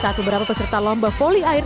saat beberapa peserta lomba volley air